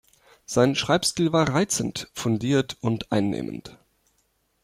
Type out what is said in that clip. Sein Schreibstil war reizend, fundiert und einnehmend.